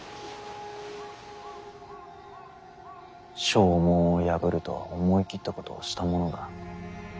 証文を破るとは思い切ったことをしたものだ。